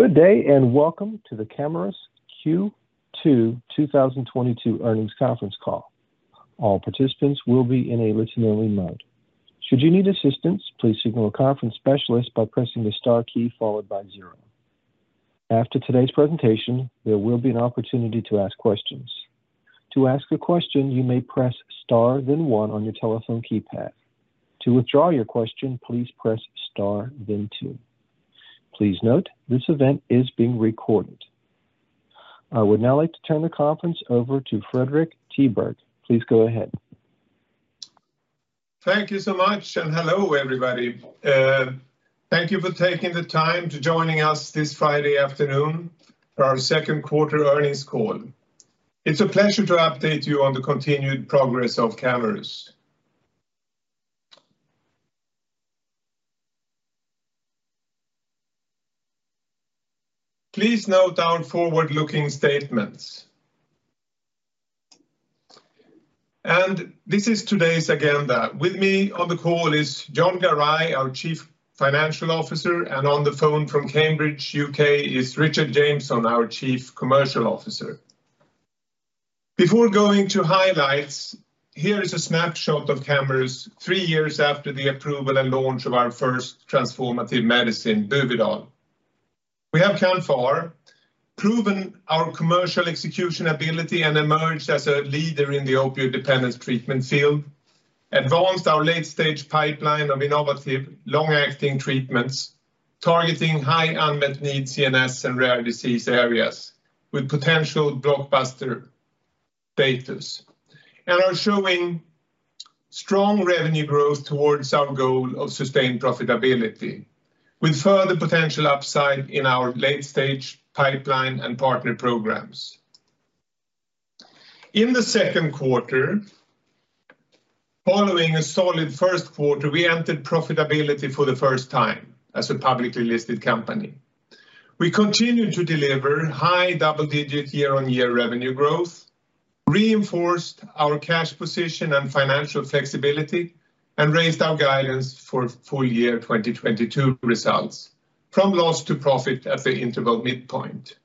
Good day, and welcome to the Camurus Q2 2022 Earnings Conference Call. All participants will be in a listen-only mode. Should you need assistance, please signal a conference specialist by pressing the star key followed by zero. After today's presentation, there will be an opportunity to ask questions. To ask a question, you may press star then one on your telephone keypad. To withdraw your question, please press star then two. Please note this event is being recorded. I would now like to turn the conference over to Fredrik Tiberg. Please go ahead. Thank you so much, and hello, everybody. Thank you for taking the time to join us this Friday afternoon for our second quarter earnings call. It's a pleasure to update you on the continued progress of Camurus. Please note down forward-looking statements. This is today's agenda. With me on the call is Jon Garay Alonso, our Chief Financial Officer, and on the phone from Cambridge, U.K., is Richard Jameson, our Chief Commercial Officer. Before going to highlights, here is a snapshot of Camurus three years after the approval and launch of our first transformative medicine, Buvidal. We have come far, proven our commercial execution ability, and emerged as a leader in the opioid dependence treatment field, advanced our late-stage pipeline of innovative long-acting treatments, targeting high unmet needs, CNS, and rare disease areas with potential blockbuster data, and are showing strong revenue growth towards our goal of sustained profitability, with further potential upside in our late-stage pipeline and partner programs. In the second quarter, following a solid first quarter, we entered profitability for the first time as a publicly listed company. We continued to deliver high double-digit year-on-year revenue growth, reinforced our cash position and financial flexibility, and raised our guidance for full year 2022 results from loss to profit at the interval midpoint.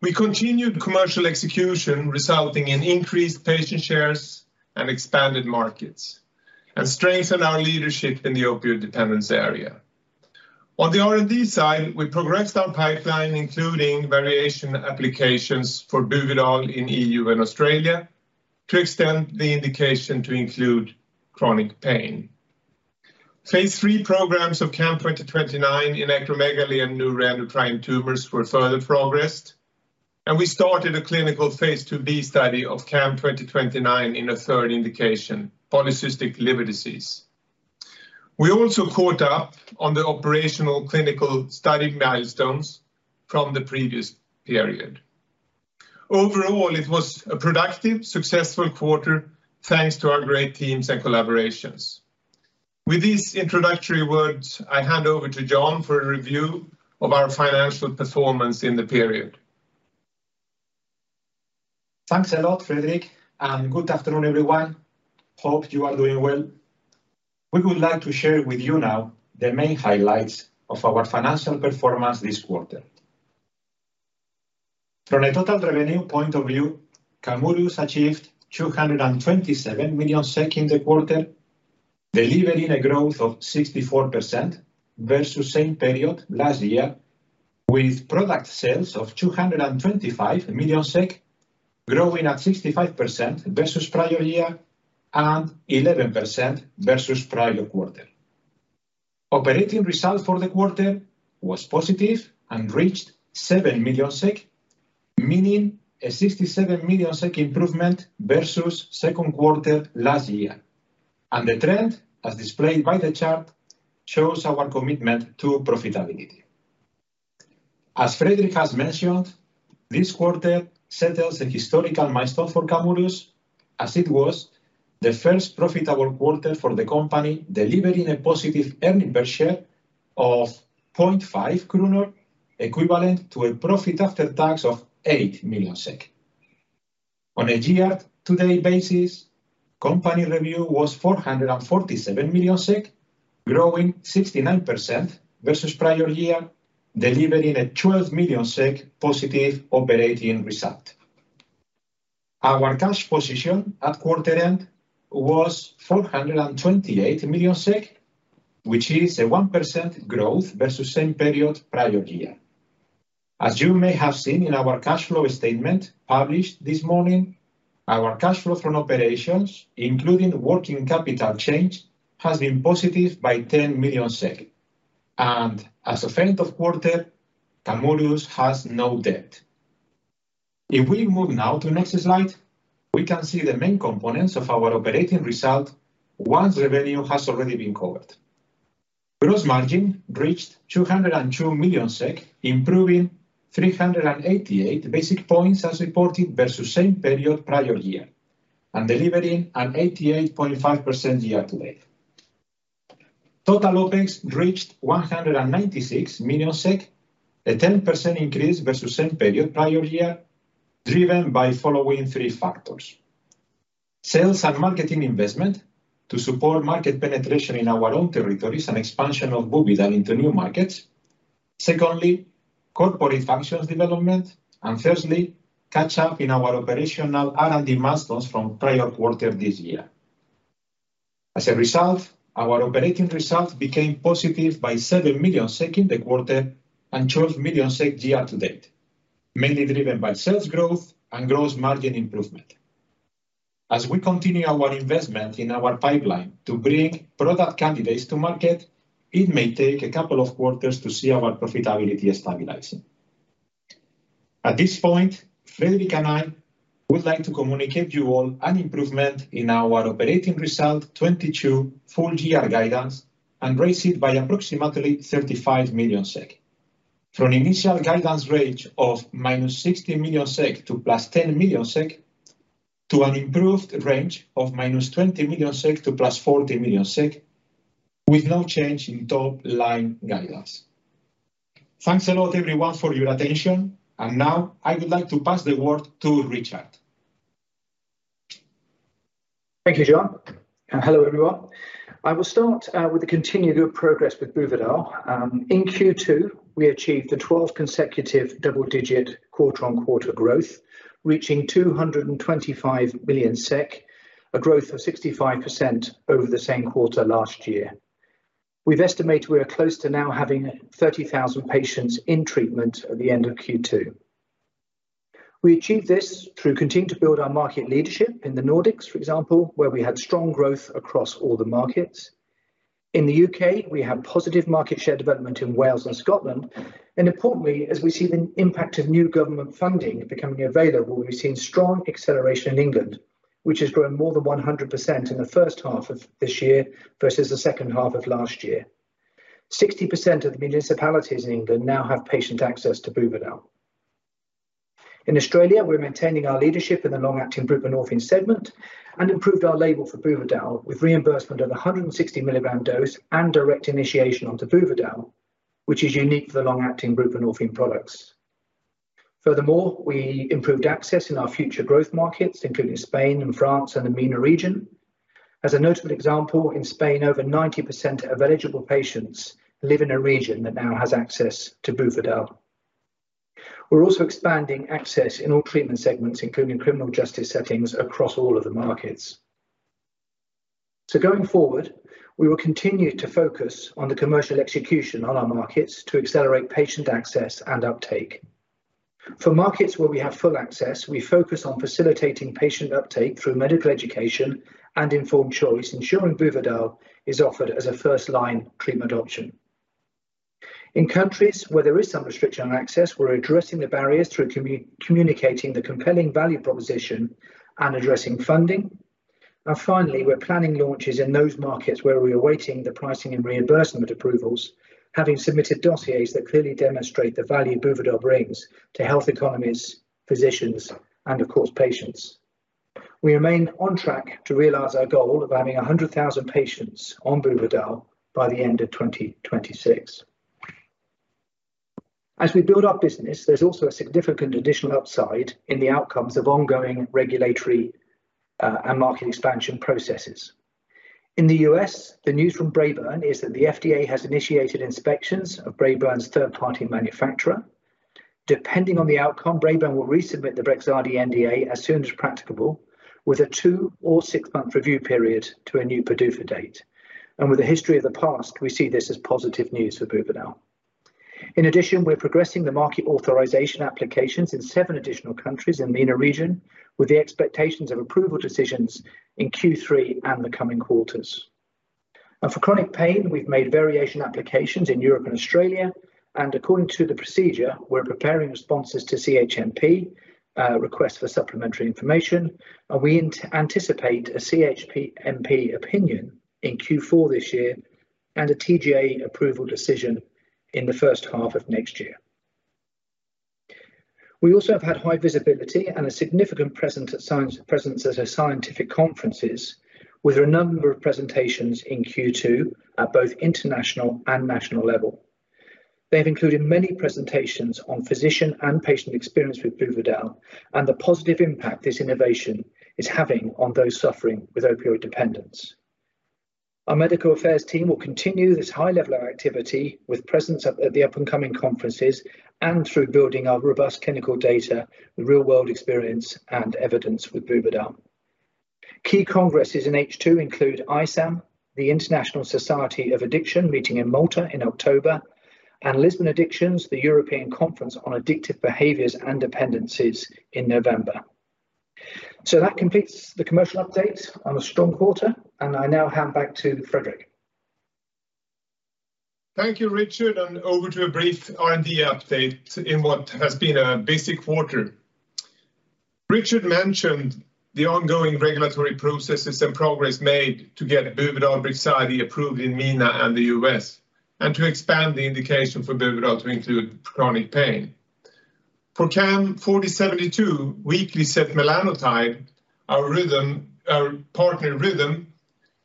We continued commercial execution, resulting in increased patient shares and expanded markets and strengthened our leadership in the opioid dependence area. On the R&D side, we progressed our pipeline, including variation applications for Buvidal in EU and Australia to extend the indication to include chronic pain. Phase III programs of CAM2029 in acromegaly and neuroendocrine tumors were further progressed, and we started a clinical phase IIb study of CAM2029 in a third indication, polycystic liver disease. We also caught up on the operational clinical study milestones from the previous period. Overall, it was a productive, successful quarter, thanks to our great teams and collaborations. With these introductory words, I hand over to Jon for a review of our financial performance in the period. Thanks a lot, Fredrik, and good afternoon, everyone. Hope you are doing well. We would like to share with you now the main highlights of our financial performance this quarter. From a total revenue point of view, Camurus achieved 227 million SEK in the quarter, delivering a growth of 64% versus same period last year, with product sales of 225 million SEK, growing at 65% versus prior year and 11% versus prior quarter. Operating results for the quarter was positive and reached 7 million SEK, meaning a 67 million SEK improvement versus second quarter last year. The trend, as displayed by the chart, shows our commitment to profitability. As Fredrik has mentioned, this quarter settles a historical milestone for Camurus as it was the first profitable quarter for the company, delivering a positive earnings per share of 0.5 kronor, equivalent to a profit after tax of 8 million SEK. On a year-to-date basis, company revenue was 447 million SEK, growing 69% versus prior year, delivering a 12 million SEK positive operating result. Our cash position at quarter end was 428 million SEK, which is a 1% growth versus same period prior year. As you may have seen in our cash flow statement published this morning, our cash flow from operations, including working capital change, has been positive by 10 million. As of end of quarter, Camurus has no debt. If we move now to the next slide, we can see the main components of our operating result once revenue has already been covered. Gross margin reached 202 million SEK, improving 388 basis points as reported versus same period prior year, and delivering an 88.5% year-to-date. Total OpEx reached 196 million SEK, a 10% increase versus same period prior year, driven by following three factors. Sales and marketing investment to support market penetration in our own territories and expansion of Buvidal into new markets. Secondly, corporate functions development. And firstly, catch up in our operational R&D milestones from prior quarter this year. As a result, our operating results became positive by 7 million SEK in the quarter, and 12 million SEK year to date, mainly driven by sales growth and gross margin improvement. As we continue our investment in our pipeline to bring product candidates to market, it may take a couple of quarters to see our profitability stabilizing. At this point, Fredrik and I would like to communicate you all an improvement in our operating result 2022 full year guidance, and raise it by approximately 35 million SEK. From initial guidance range of -60 million SEK to +10 million SEK, to an improved range of -20 million SEK to +40 million SEK, with no change in top-line guidance. Thanks a lot everyone for your attention, and now I would like to pass the word to Richard. Thank you, Jon. Hello, everyone. I will start with the continued good progress with Buvidal. In Q2, we achieved 12 consecutive double-digit quarter-on-quarter growth, reaching 225 million SEK, a growth of 65% over the same quarter last year. We've estimated we're close to now having 30,000 patients in treatment at the end of Q2. We achieved this through continuing to build our market leadership in the Nordics, for example, where we had strong growth across all the markets. In the UK, we have positive market share development in Wales and Scotland, and importantly, as we see the impact of new government funding becoming available, we've seen strong acceleration in England, which has grown more than 100% in the first half of this year versus the second half of last year. 60% of the municipalities in England now have patient access to Buvidal. In Australia, we're maintaining our leadership in the long-acting buprenorphine segment, and improved our label for Buvidal with reimbursement of 160-milligram dose and direct initiation onto Buvidal, which is unique for the long-acting buprenorphine products. Furthermore, we improved access in our future growth markets, including Spain and France and the MENA region. As a notable example, in Spain, over 90% of eligible patients live in a region that now has access to Buvidal. We're also expanding access in all treatment segments, including criminal justice settings across all of the markets. Going forward, we will continue to focus on the commercial execution on our markets to accelerate patient access and uptake. For markets where we have full access, we focus on facilitating patient uptake through medical education and informed choice, ensuring Buvidal is offered as a first-line treatment option. In countries where there is some restriction on access, we're addressing the barriers through communicating the compelling value proposition and addressing funding. Finally, we're planning launches in those markets where we're awaiting the pricing and reimbursement approvals, having submitted dossiers that clearly demonstrate the value Buvidal brings to health economies, physicians, and of course, patients. We remain on track to realize our goal of having 100,000 patients on Buvidal by the end of 2026. As we build our business, there's also a significant additional upside in the outcomes of ongoing regulatory and market expansion processes. In the U.S., the news from Braeburn is that the FDA has initiated inspections of Braeburn's third-party manufacturer. Depending on the outcome, Braeburn will resubmit the Brixadi NDA as soon as practicable, with a two or six-month review period to a new PDUFA date. With the history of the past, we see this as positive news for Buvidal. In addition, we're progressing the market authorization applications in seven additional countries in MENA region, with the expectations of approval decisions in Q3 and the coming quarters. For chronic pain, we've made variation applications in Europe and Australia, and according to the procedure, we're preparing responses to CHMP request for supplementary information, and we anticipate a CHMP opinion in Q4 this year, and a TGA approval decision in the first half of next year. We also have had high visibility and a significant presence at scientific conferences with a number of presentations in Q2 at both international and national level. They've included many presentations on physician and patient experience with Buvidal, and the positive impact this innovation is having on those suffering with opioid dependence. Our medical affairs team will continue this high level of activity with presence at the upcoming conferences, and through building our robust clinical data, the real world experience and evidence with Buvidal. Key congresses in H2 include ISAM, the International Society of Addiction meeting in Malta in October, and Lisbon Addictions, the European Conference on Addictive Behaviors and Dependencies in November. That completes the commercial update on a strong quarter, and I now hand back to Fredrik. Thank you, Richard, and over to a brief R&D update in what has been a busy quarter. Richard mentioned the ongoing regulatory processes and progress made to get Buvidal, Brixadi approved in MENA and the U.S., and to expand the indication for Buvidal to include chronic pain. For CAM4072 weekly setmelanotide, our partner, Rhythm,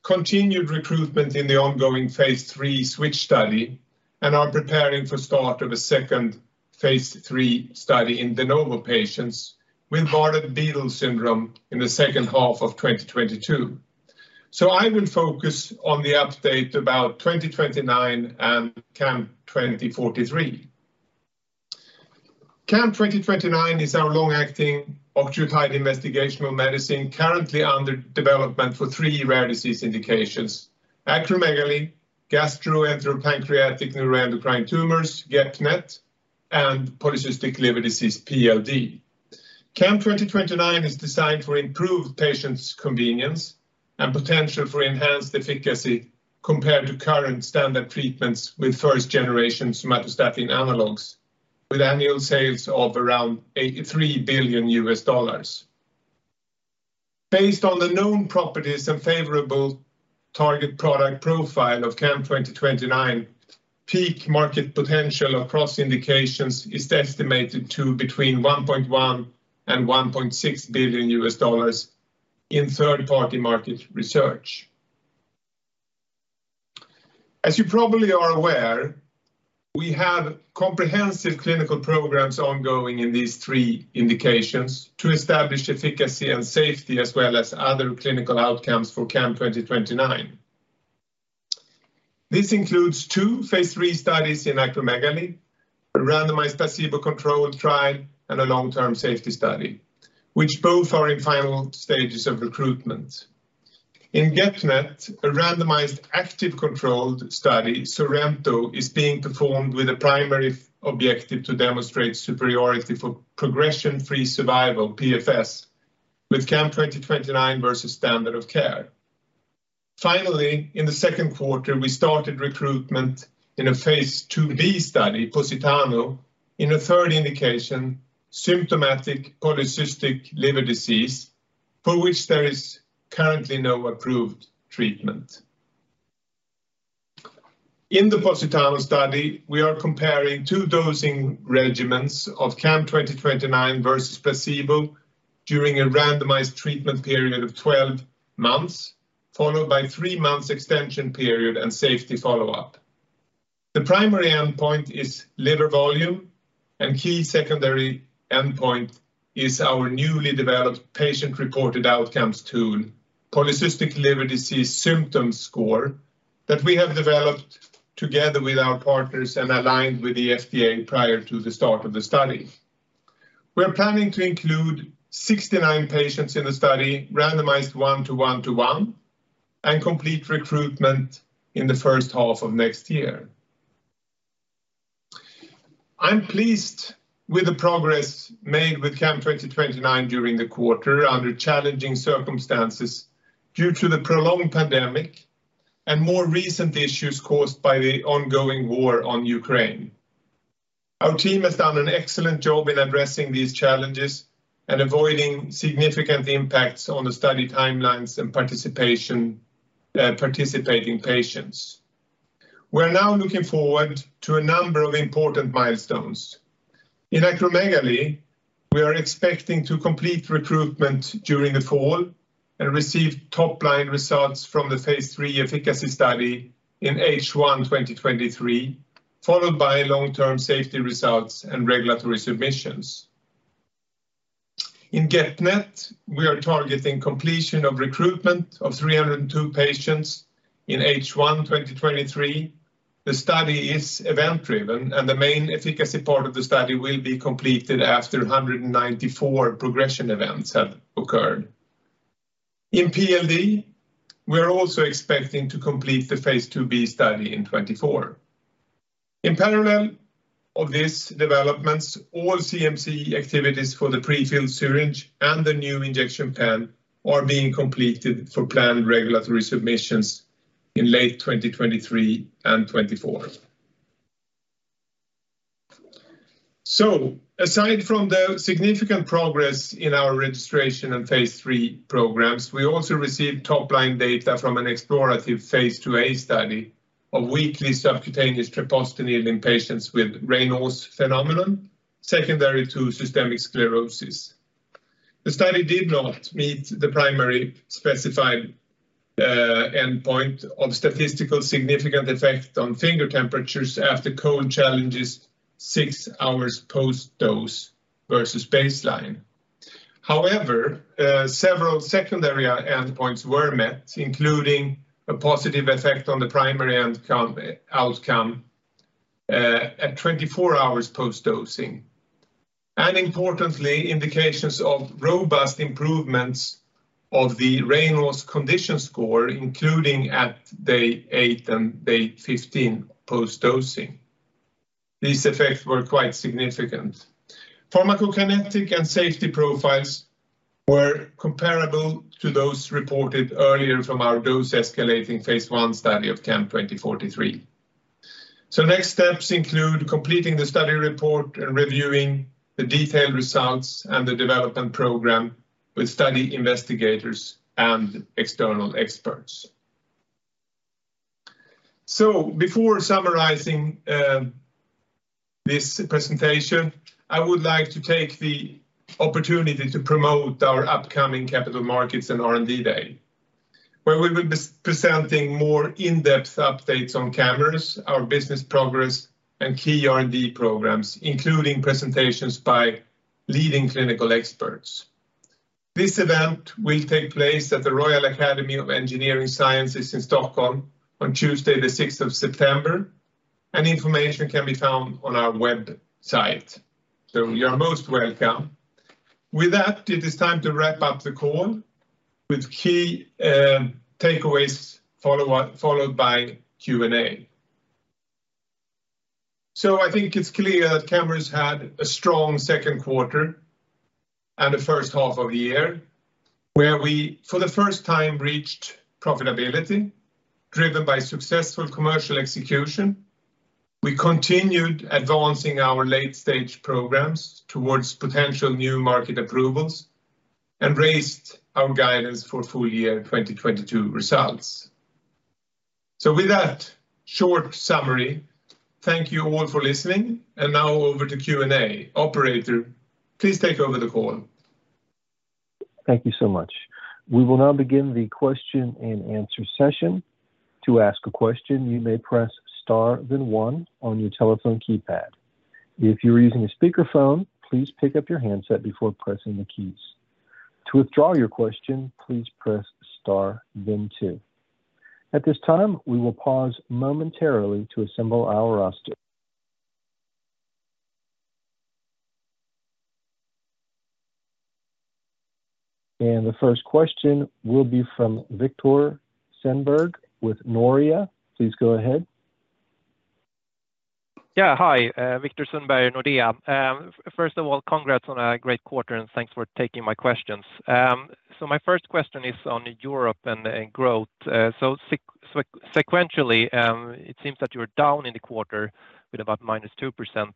continued recruitment in the ongoing phase III SWITCH study and are preparing for start of a second phase III study in de novo patients with Bardet-Biedl syndrome in the second half of 2022. I will focus on the update about CAM2029 and CAM2043. CAM2029 is our long-acting octreotide investigational medicine currently under development for three rare disease indications, acromegaly, gastroenteropancreatic neuroendocrine tumors, GEP-NET, and polycystic liver disease, PLD. CAM2029 is designed for improved patients' convenience and potential for enhanced efficacy compared to current standard treatments with first-generation somatostatin analogs, with annual sales of around $83 billion. Based on the known properties and favorable target product profile of CAM2029, peak market potential across indications is estimated to between $1.1 billion and $1.6 billion in third-party market research. As you probably are aware, we have comprehensive clinical programs ongoing in these three indications to establish efficacy and safety as well as other clinical outcomes for CAM2029. This includes two phase III studies in acromegaly, a randomized placebo-controlled trial, and a long-term safety study, which both are in final stages of recruitment. In GEP-NET, a randomized active controlled study, SORENTO, is being performed with a primary objective to demonstrate superiority for progression-free survival, PFS, with CAM2029 versus standard of care. Finally, in the second quarter, we started recruitment in a phase IIb study, POSITANO, in a third indication, symptomatic polycystic liver disease, for which there is currently no approved treatment. In the POSITANO study, we are comparing two dosing regimens of CAM2029 versus placebo during a randomized treatment period of 12 months, followed by three months extension period and safety follow-up. The primary endpoint is liver volume, and key secondary endpoint is our newly developed patient-reported outcomes tool, polycystic liver disease symptom score, that we have developed together with our partners and aligned with the FDA prior to the start of the study. We are planning to include 69 patients in the study, randomized 1:1:1, and complete recruitment in the first half of next year. I'm pleased with the progress made with CAM2029 during the quarter under challenging circumstances due to the prolonged pandemic and more recent issues caused by the ongoing war on Ukraine. Our team has done an excellent job in addressing these challenges and avoiding significant impacts on the study timelines and participation, participating patients. We are now looking forward to a number of important milestones. In acromegaly, we are expecting to complete recruitment during the fall and receive top-line results from the phase III efficacy study in H1 2023, followed by long-term safety results and regulatory submissions. In GEP-NET, we are targeting completion of recruitment of 302 patients in H1 2023. The study is event-driven, and the main efficacy part of the study will be completed after 194 progression events have occurred. In PLD, we are also expecting to complete the phase IIb study in 2024. In parallel of these developments, all CMC activities for the prefilled syringe and the new injection pen are being completed for planned regulatory submissions in late 2023 and 2024. Aside from the significant progress in our registration and phase III programs, we also received top-line data from an exploratory phase IIa study of weekly subcutaneous treprostinil in patients with Raynaud's phenomenon, secondary to systemic sclerosis. The study did not meet the primary specified endpoint of statistically significant effect on finger temperatures after cold challenges six hours post-dose versus baseline. However, several secondary endpoints were met, including a positive effect on the primary outcome at 24 hours post-dosing, and importantly, indications of robust improvements of the Raynaud's Condition Score, including at day eight and day 15 post-dosing. These effects were quite significant. Pharmacokinetic and safety profiles were comparable to those reported earlier from our dose-escalating phase one study of CAM2043. Next steps include completing the study report and reviewing the detailed results and the development program with study investigators and external experts. Before summarizing this presentation, I would like to take the opportunity to promote our upcoming Capital Markets and R&D day, where we will be presenting more in-depth updates on Camurus, our business progress, and key R&D programs, including presentations by leading clinical experts. This event will take place at the Royal Swedish Academy of Engineering Sciences in Stockholm on Tuesday, the sixth of September. Information can be found on our website. You're most welcome. With that, it is time to wrap up the call with key takeaways followed by Q&A. I think it's clear that Camurus had a strong second quarter and the first half of the year, where we, for the first time, reached profitability, driven by successful commercial execution. We continued advancing our late-stage programs towards potential new market approvals and raised our guidance for full year 2022 results. With that short summary, thank you all for listening. Now over to Q&A. Operator, please take over the call. Thank you so much. We will now begin the Q&A session. To ask a question, you may press Star then one on your telephone keypad. If you're using a speaker phone, please pick up your handset before pressing the keys. To withdraw your question, please press Star then two. At this time, we will pause momentarily to assemble our roster. The first question will be from Viktor Sundberg with Nordea. Please go ahead. Yeah, hi, Viktor Sundberg, Nordea. First of all, congrats on a great quarter, and thanks for taking my questions. My first question is on Europe and growth. Sequentially, it seems that you're down in the quarter with about -2%,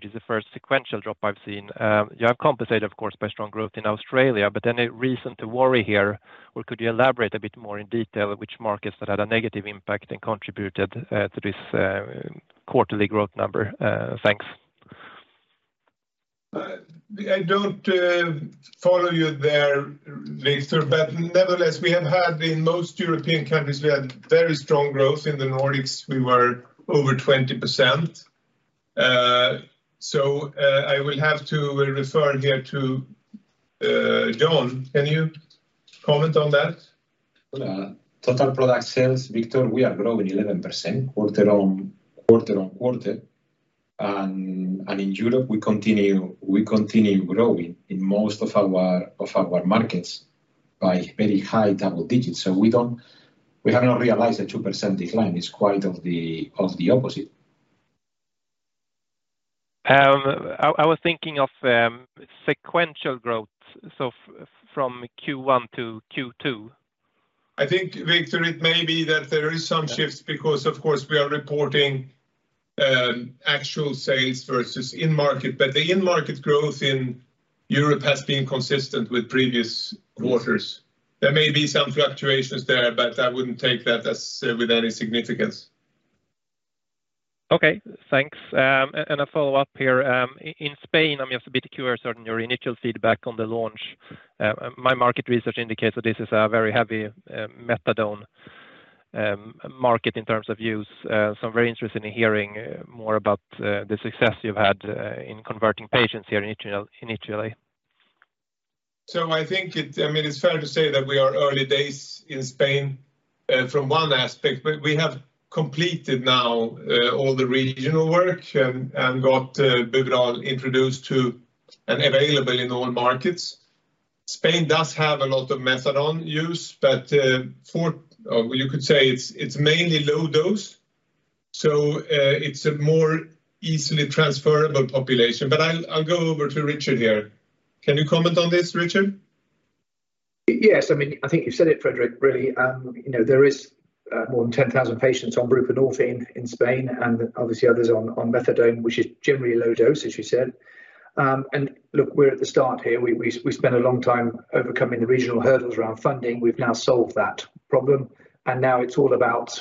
which is the first sequential drop I've seen. You have compensated, of course, by strong growth in Australia, but any reason to worry here, or could you elaborate a bit more in detail which markets that had a negative impact and contributed to this quarterly growth number? Thanks. I don't follow you there, Viktor, but nevertheless, we have had in most European countries, we had very strong growth. In the Nordics, we were over 20%. I will have to refer here to Jon. Can you comment on that? Total product sales, Viktor, we are growing 11% quarter-on-quarter. In Europe, we continue growing in most of our markets by very high double digits. We have not realized a 2% decline. It's quite the opposite. I was thinking of sequential growth, so from Q1 to Q2. I think, Viktor, it may be that there is some shifts because, of course, we are reporting actual sales versus in market. The in-market growth in Europe has been consistent with previous quarters. There may be some fluctuations there, but I wouldn't take that as with any significance. Okay. Thanks. A follow-up here- in Spain, I'm just a bit curious on your initial feedback on the launch. My market research indicates that this is a very heavy methadone market in terms of use. I'm very interested in hearing more about the success you've had in converting patients here initially. I mean, it's fair to say that we are early days in Spain, from one aspect, but we have completed now all the regional work and got Buvidal introduced to and available in all markets. Spain does have a lot of methadone use, but you could say it's mainly low dose, so it's a more easily transferable population. But I'll go over to Richard here. Can you comment on this, Richard? Yes. I mean, I think you said it, Fredrik, really- you know, there is more than 10,000 patients on buprenorphine in Spain and obviously others on methadone, which is generally low dose, as you said. Look, we're at the start here. We spent a long time overcoming the regional hurdles around funding- we've now solved that problem, and now it's all about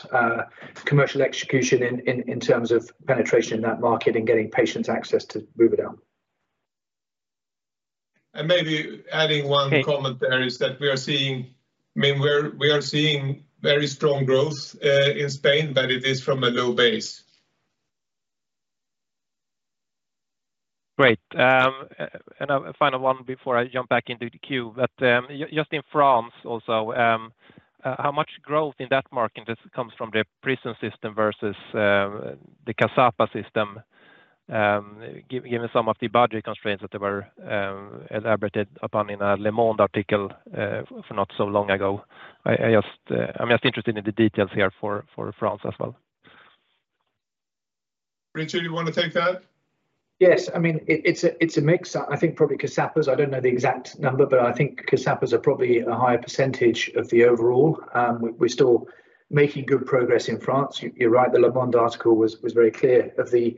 commercial execution in terms of penetration in that market and getting patients access to Buvidal. Maybe adding one comment, there is that I mean, we are seeing very strong growth in Spain, but it is from a low base. Great. A final one before I jump back into the queue. Just in France also, how much growth in that market just comes from the prison system versus the CSAPA system, given some of the budget constraints that there were elaborated upon in a Le Monde article not so long ago. I'm just interested in the details here for France as well. Richard, you wanna take that? Yes. I mean, it's a mix. I think probably CSAPA, I don't know the exact number, but I think CSAPA are probably a higher percentage of the overall. We're still making good progress in France. You're right, the Le Monde article was very clear of the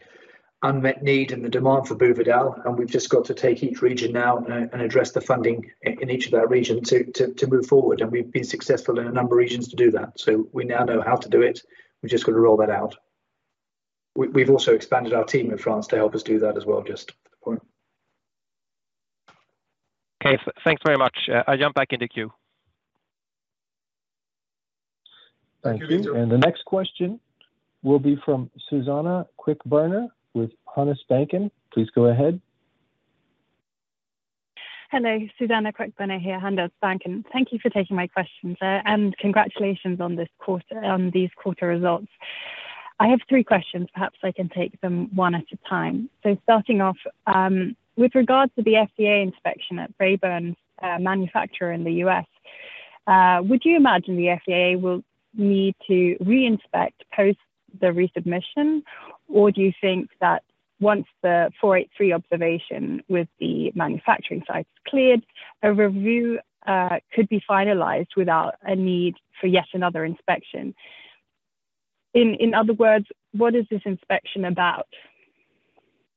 unmet need and the demand for Buvidal, and we've just got to take each region now and address the funding in each of our regions to move forward. We've been successful in a number of regions to do that. We now know how to do it. We've just got to roll that out. We've also expanded our team in France to help us do that as well, just Okay. Thanks very much. I jump back in the queue. Thank you. Thank you. The next question will be from Suzanna Queckbörner with Handelsbanken. Please go ahead. Hello, Suzanna Queckbörner here, Handelsbanken. Thank you for taking my questions. Congratulations on these quarter results. I have three questions. Perhaps I can take them one at a time. Starting off with regards to the FDA inspection at Braeburn's manufacturer in the U.S., would you imagine the FDA will need to re-inspect post the resubmission? Or do you think that once the 483 observation with the manufacturing site is cleared, a review could be finalized without a need for yet another inspection? In other words, what is this inspection about?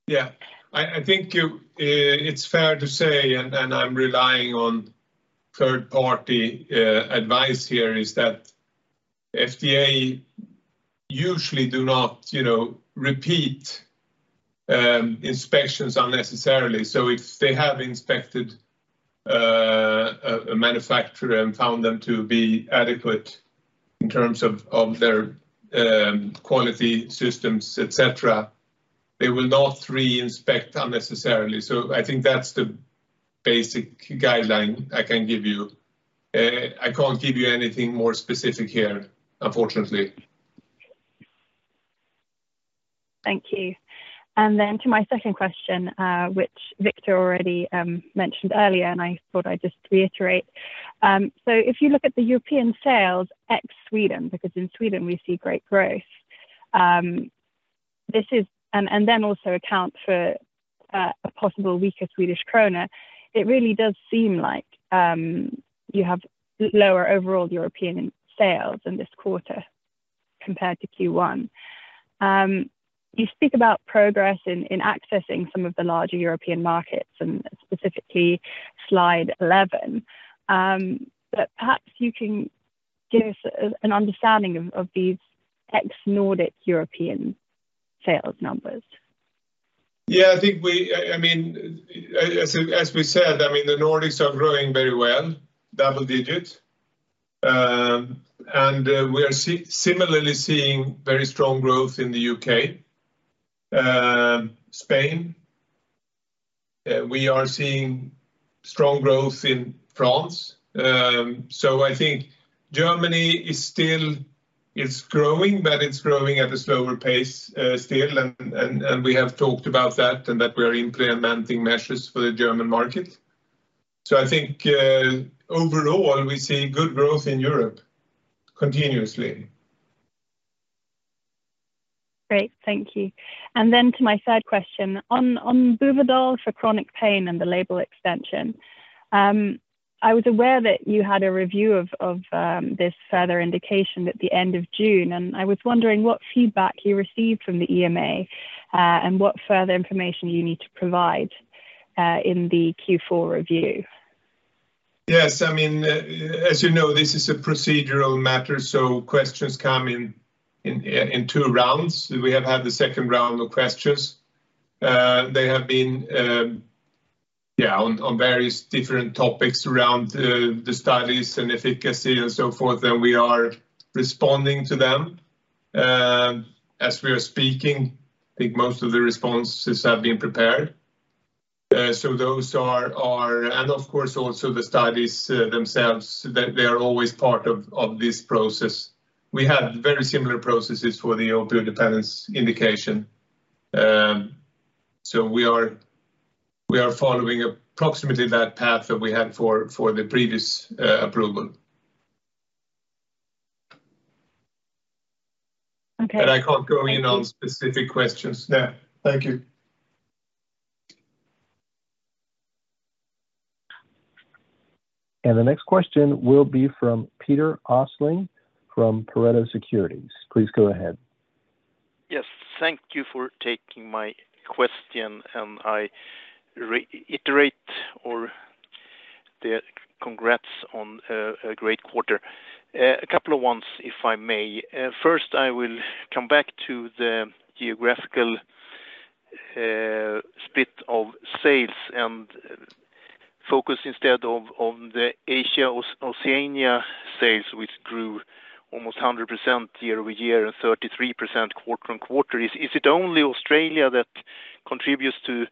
Yeah. I think it's fair to say, and I'm relying on third-party advice here, is that FDA usually do not, you know, repeat inspections unnecessarily. If they have inspected a manufacturer and found them to be adequate in terms of their quality systems, et cetera, they will not re-inspect unnecessarily. I think that's the basic guideline I can give you. I can't give you anything more specific here, unfortunately. Thank you. To my second question, which Viktor already mentioned earlier, and I thought I'd just reiterate- if you look at the European sales ex Sweden, because in Sweden we see great growth, and then also account for a possible weaker Swedish krona, it really does seem like you have lower overall European sales in this quarter compared to Q1. You speak about progress in accessing some of the larger European markets and specifically slide 11. Perhaps you can give us an understanding of these ex Nordic European sales numbers. Yeah, I think I mean- as we said, I mean, the Nordics are growing very well, double digits. We are similarly seeing very strong growth in the UK, Spain. We are seeing strong growth in France. I think Germany is still. It's growing, but it's growing at a slower pace, still. We have talked about that and that we are implementing measures for the German market. I think, overall, we see good growth in Europe continuously. Great. Thank you. To my third question on Buvidal for chronic pain and the label extension. I was aware that you had a review of this further indication at the end of June, and I was wondering what feedback you received from the EMA, and what further information you need to provide, in the Q4 review. Yes. I mean, as you know, this is a procedural matter. Questions come in two rounds. We have had the second round of questions. They have been on various different topics around the studies and efficacy and so forth. We are responding to them as we are speaking. I think most of the responses have been prepared. Those are- and of course also the studies themselves, they are always part of this process. We had very similar processes for the opioid dependence indication. We are following approximately that path that we had for the previous approval. Okay. I can't go in on specific questions. Yeah. Thank you. The next question will be from Peter Östling from Pareto Securities. Please go ahead. Yes, thank you for taking my question, and I reiterate the congrats on a great quarter. A couple of questions, if I may. First, I will come back to the geographical split of sales and focus instead on the Asia-Oceania sales, which grew almost 100% year-over-year and 33% quarter-on-quarter. Is it only Australia that contributes to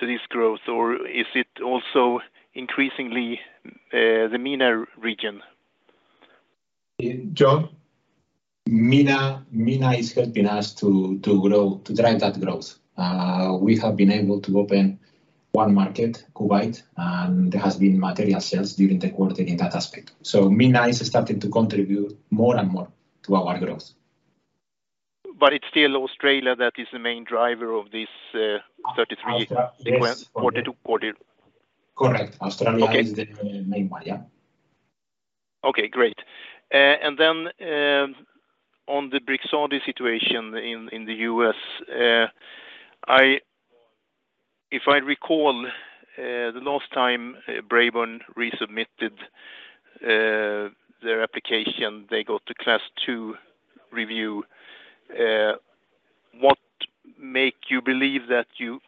this growth, or is it also increasingly the MENA region? John? MENA is helping us to grow, to drive that growth. We have been able to open one market, Kuwait, and there has been material sales during the quarter in that aspect. MENA is starting to contribute more and more to our growth. It's still Australia that is the main driver of this, 33... Yes. ...sequence quarter to quarter? Correct. Australia is the main one. Yeah. Okay, great. Then, on the Brixadi situation in the U.S., if I recall, the last time Braeburn resubmitted their application, they got a Class 2 review. What makes you believe that you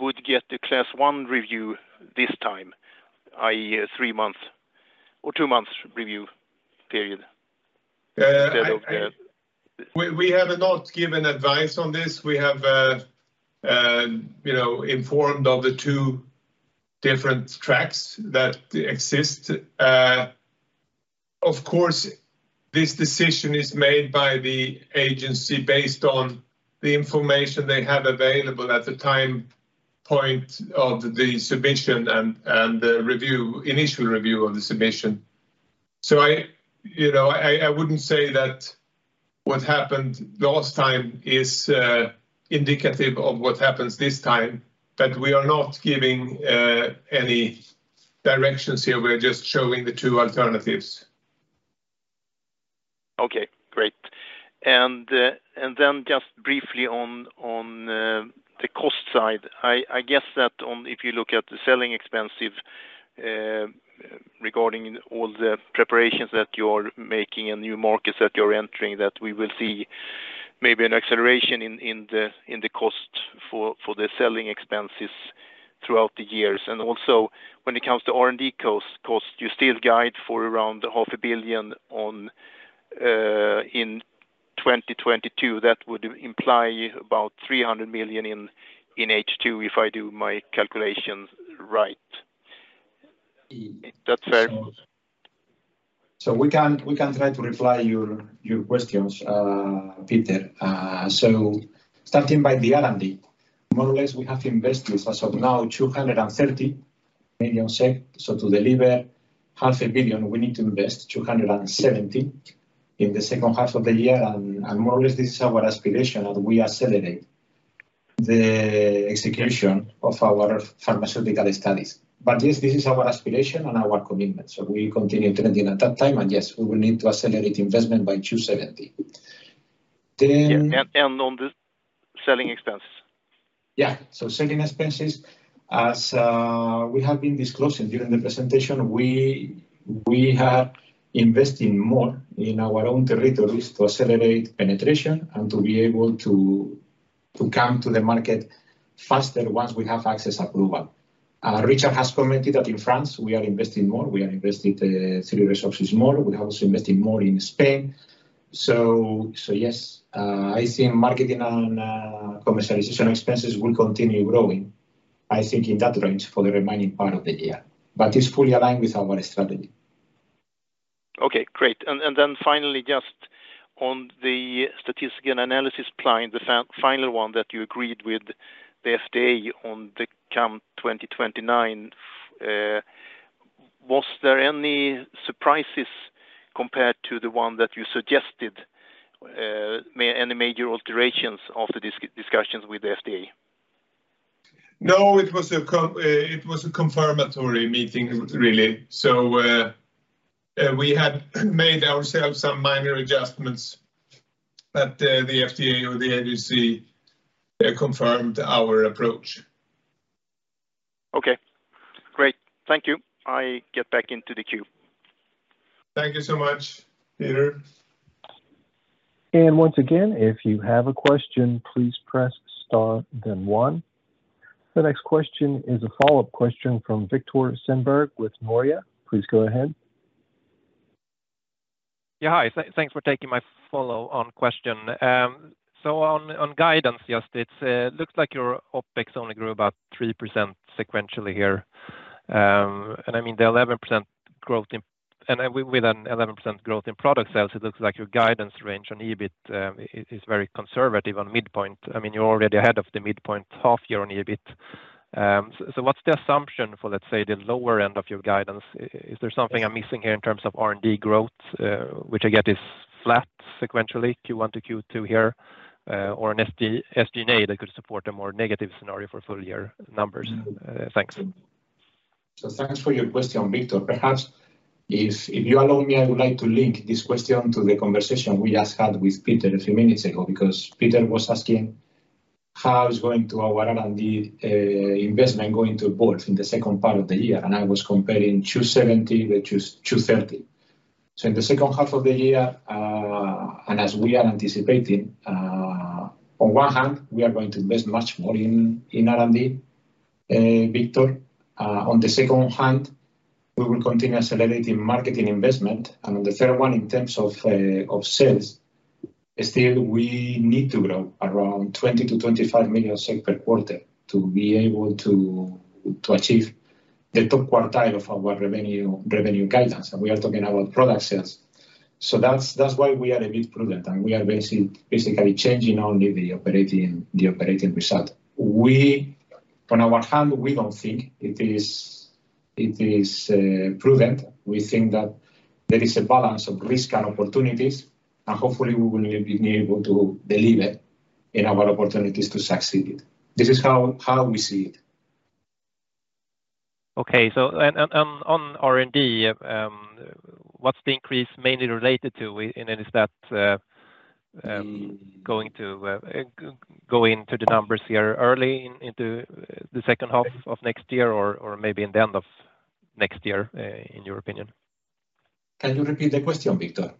would get the Class 1 review this time, i.e., three months or two months review period instead of the... We have not given advice on this. We have, you know, informed of the two different tracks that exist. Of course, this decision is made by the agency based on the information they have available at the time point of the submission and the initial review of the submission. You know, I wouldn't say that what happened last time is indicative of what happens this time. We are not giving any directions here. We're just showing the two alternatives. Okay, great. Just briefly on the cost side. I guess that if you look at the selling expenses, regarding all the preparations that you're making and new markets that you're entering, that we will see maybe an acceleration in the cost for the selling expenses throughout the years. Also, when it comes to R&D costs, you still guide for around 500 million in 2022. That would imply about 300 million in H2 if I do my calculations right. Is that fair? We can try to reply to your questions, Peter. Starting by the R&D. More or less, we have invested as of now 230 million SEK. To deliver 500 million, we need to invest 270 million in the second half of the year. More or less, this is our aspiration as we accelerate the execution of our pharmaceutical studies. Yes, this is our aspiration and our commitment, so we continue to maintain at that time, and yes, we will need to accelerate investment by 270 million. Then.... Yeah, and on the selling expenses. Yeah. Selling expenses, as we have been disclosing during the presentation, we are investing more in our own territories to accelerate penetration and to be able to come to the market faster once we have access approval. Richard has commented that in France we are investing more. We are investing through resources more. We have also invested more in Spain. Yes, I think marketing and commercialization expenses will continue growing, I think in that range for the remaining part of the year. It's fully aligned with our strategy. Okay, great. Then finally, just on the statistical analysis plan, the final one that you agreed with the FDA on CAM2029. Was there any surprises compared to the one that you suggested? Any major alterations of the discussions with the FDA? No, it was a confirmatory meeting really. We had made ourselves some minor adjustments, but the FDA, they confirmed our approach. Okay, great. Thank you. I get back into the queue. Thank you so much, Peter. Once again, if you have a question, please press star then one. The next question is a follow-up question from Viktor Sundberg with Nordea. Please go ahead. Yeah, hi. Thanks for taking my follow-on question. So on guidance, it looks like your OpEx only grew about 3% sequentially here. I mean, with an 11% growth in product sales, it looks like your guidance range on EBIT is very conservative on midpoint. I mean, you're already ahead of the midpoint half year on EBIT. So what's the assumption for, let's say, the lower end of your guidance? Is there something I'm missing here in terms of R&D growth, which I get is flat sequentially, Q1 to Q2 here, or an SG&A that could support a more negative scenario for full year numbers? Thanks. Thanks for your question, Victor. Perhaps if you allow me, I would like to link this question to the conversation we just had with Peter a few minutes ago because Peter was asking how our R&D investment is going to evolve in the second part of the year, and I was comparing 270 million with 230 million. In the second half of the year, and as we are anticipating, on one hand, we are going to invest much more in R&D, Victor. On the second hand, we will continue accelerating marketing investment. On the third one, in terms of sales, still we need to grow around 20 million-25 million per quarter to be able to achieve the top quartile of our revenue guidance. We are talking about product sales. That's why we are a bit prudent, and we are basically changing only the operating result. We, on one hand, don't think it is prudent. We think that there is a balance of risk and opportunities, and hopefully we will be able to deliver in our opportunities to succeed. This is how we see it. Okay. On R&D, what's the increase mainly related to? Is that going to go into the numbers here early into the second half of next year or maybe in the end of next year, in your opinion? Can you repeat the question, Viktor?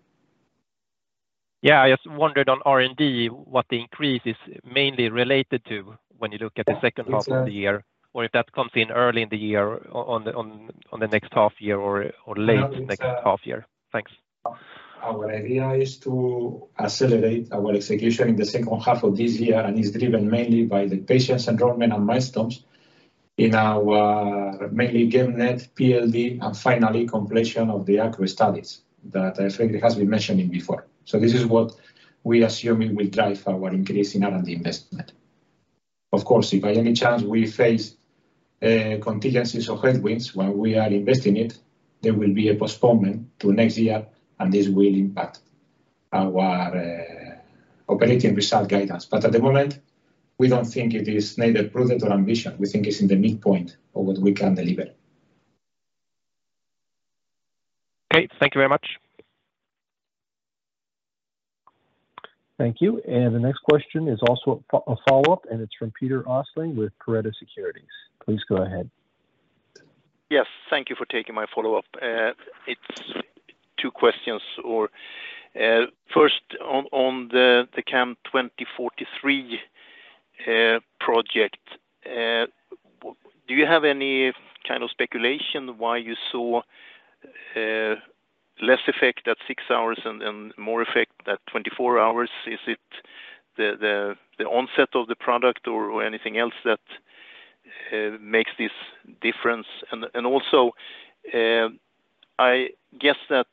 Yeah. I just wondered on R&D, what the increase is mainly related to when you look at the second- half of the year, or if that comes in early in the year on the next half year or late... No, it's- ...next half year. Thanks. Our idea is to accelerate our execution in the second half of this year, and is driven mainly by the patients' enrollment and milestones in our, mainly GEP-NET, PLD, and finally completion of the ACRO studies that I think has been mentioned before. This is what we assuming will drive our increase in R&D investment. Of course, if by any chance we face contingencies or headwinds while we are investing it, there will be a postponement to next year, and this will impact our operating result guidance. At the moment, we don't think it is neither prudent or ambitious. We think it's in the midpoint of what we can deliver. Okay. Thank you very much. Thank you. The next question is also a follow-up, and it's from Peter Östling with Pareto Securities. Please go ahead. Yes, thank you for taking my follow-up. It's two questions. First on the CAM2043 project. Do you have any kind of speculation why you saw less effect at six hours and more effect at 24 hours? Is it the onset of the product or anything else that makes this difference? Also, I guess that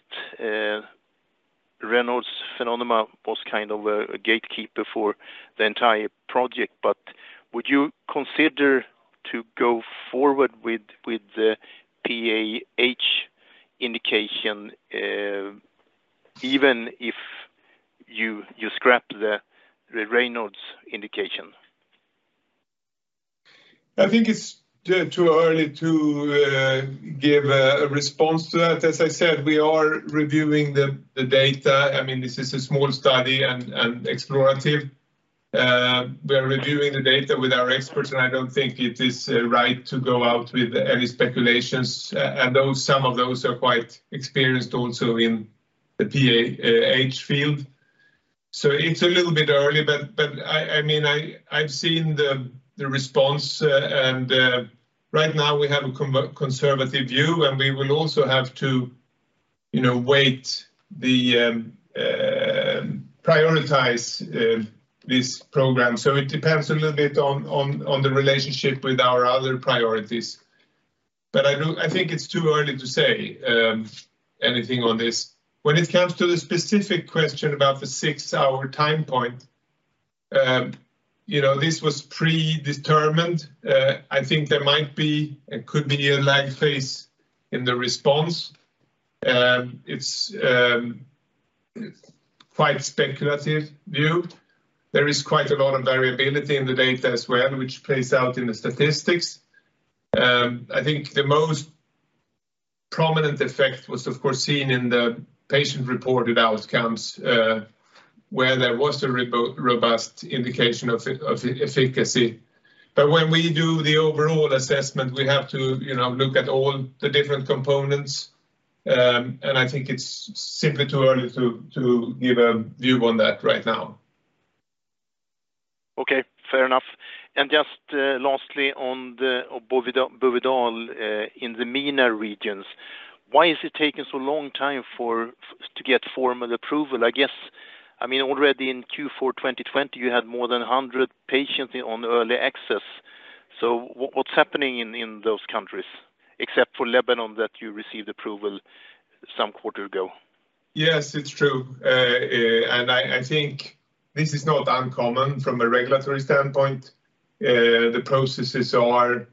Raynaud's phenomenon was kind of a gatekeeper for the entire project, but would you consider to go forward with the PAH indication even if you scrap the Raynaud's indication? I think it's too early to give a response to that. As I said, we are reviewing the data. I mean, this is a small study and explorative. We are reviewing the data with our experts, and I don't think it is right to go out with any speculations, and some of those are quite experienced also in the PAH field. It's a little bit early, but I mean, I've seen the response, and right now we have a conservative view, and we will also have to, you know, prioritize this program. It depends a little bit on the relationship with our other priorities. I think it's too early to say anything on this. When it comes to the specific question about the six-hour time point, you know, this was predetermined. I think there might be, it could be a lag phase in the response. It's quite speculative view. There is quite a lot of variability in the data as well, which plays out in the statistics. I think the most prominent effect was, of course, seen in the patient-reported outcomes, where there was a robust indication of efficacy. When we do the overall assessment, we have to, you know, look at all the different components. I think it's simply too early to give a view on that right now. Okay. Fair enough. Just, lastly on the Buvidal, in the MENA regions, why is it taking so long time for to get formal approval? I guess, I mean, already in Q4 2020, you had more than 100 patients on early access. What's happening in those countries, except for Lebanon that you received approval some quarter ago? Yes, it's true. I think this is not uncommon from a regulatory standpoint. The processes are,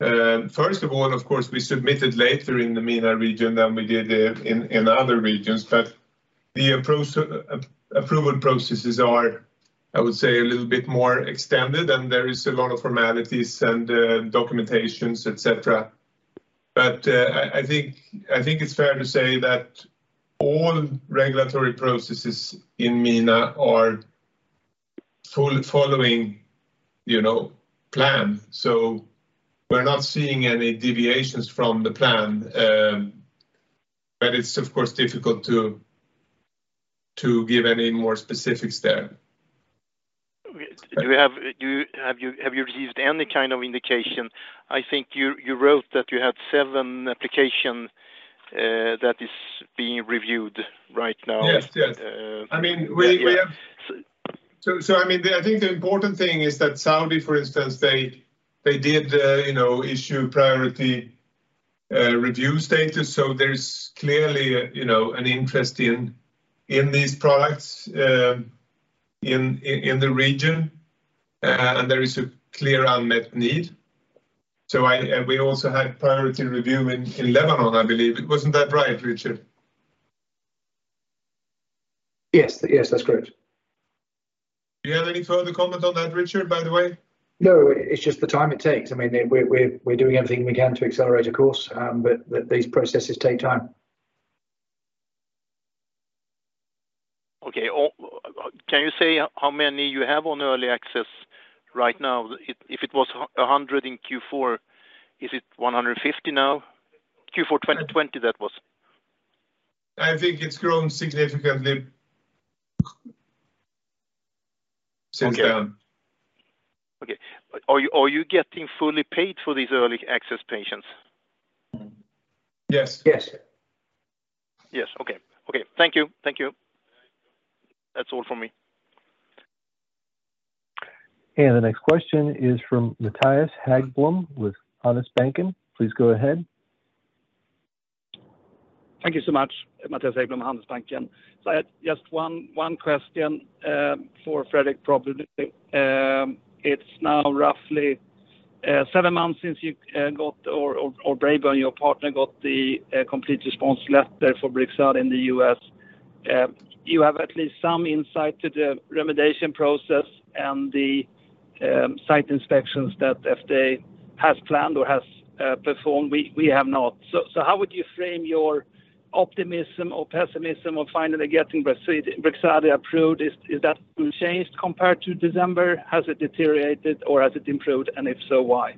of course, we submitted later in the MENA region than we did in other regions. The approval processes are, I would say, a little bit more extended, and there is a lot of formalities and documentation, et cetera. I think it's fair to say that all regulatory processes in MENA are following, you know, plan. We're not seeing any deviations from the plan. It's of course difficult to give any more specifics there. Do you have- have you received any kind of indication? I think you wrote that you had seven application that is being reviewed right now. Yes. Yes. I mean, we have- I mean, I think the important thing is that Saudi, for instance, they did, you know, issue priority review status. There is clearly, you know, an interest in these products in the region, and there is a clear unmet need. We also had priority review in Lebanon, I believe. Wasn't that right, Richard? Yes. Yes, that's correct. Do you have any further comment on that, Richard, by the way? No, it's just the time it takes. I mean, we're doing everything we can to accelerate the course, but these processes take time. Okay. Can you say how many you have on early access right now? If it was 100 in Q4, is it 150 now? Q4 2020, that was. I think it's grown significantly since then. Okay. Are you getting fully paid for these early access patients? Yes. Yes. Yes. Okay. Thank you. That's all for me. The next question is from Mattias Häggblom with Handelsbanken. Please go ahead. Thank you so much, Mattias Häggblom, Handelsbanken. I just have one question for Fredrik, probably. It's now roughly seven months since you got or Braeburn, your partner, got the complete response letter for Brixadi in the U.S.. You have at least some insight into the remediation process and the site inspections that FDA has planned or has performed. We have not. How would you frame your optimism or pessimism of finally getting Brixadi approved? Is that changed compared to December? Has it deteriorated or has it improved, and if so, why?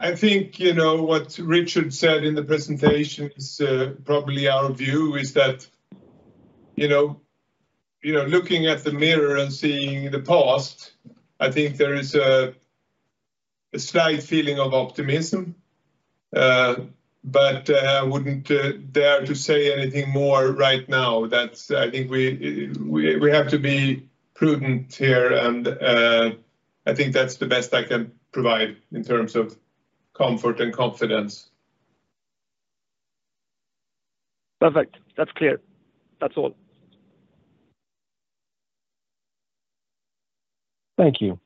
I think, you know, what Richard said in the presentation is, probably our view is that, you know, looking at the mirror and seeing the past, I think there is a slight feeling of optimism. I wouldn't dare to say anything more right now. That's, I think we have to be prudent here and, I think that's the best I can provide in terms of comfort and confidence. Perfect. That's clear. That's all. Thank you.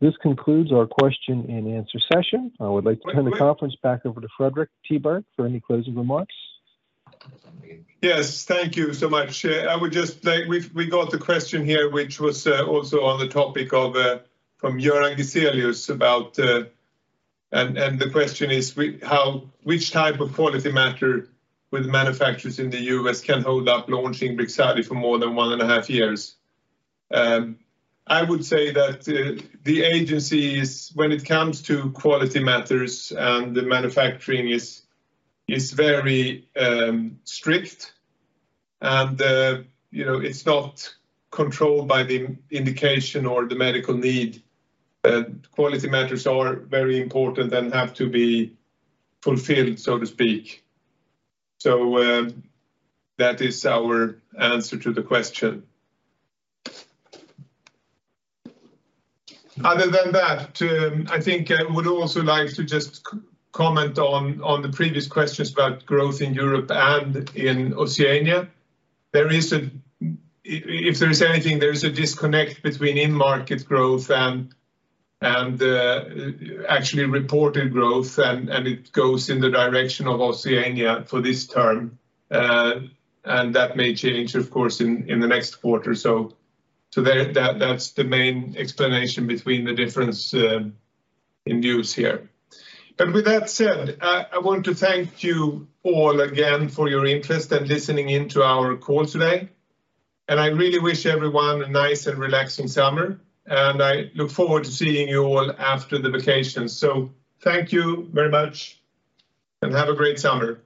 This concludes our Q&A session. I would like to turn the conference back over to Fredrik Tiberg for any closing remarks. Yes. Thank you so much. We've got the question here, which was also on the topic of- from about- which type of quality-matter with manufacturers in the U.S. can hold up launching Brixadi for more than 1.5 years? I would say that the agencies- when it comes to quality matters- the manufacturing is very strict. And it's not controlled by the indication or the medical need- quality metrics are very important and have to be fulfilled, so to speak. So that is our answer to the question. Other than that, I think I would also like to just comment on the previous questions about growth in Europe and in Oceania. There is a- if there's anything, there is a disconnect between in-market growth and actually reported growth and it goes in the direction of Oceania for this term, and that may change, of course, in the next quarter. So that's the main explanation between the difference in views here. And with that said, I want to thank you all again for your interest and listening into our call today. And I really wish everyone a nice and relaxing summer, and I look forward to seeing you all after the vacation. So thank you very much, and have a great summer.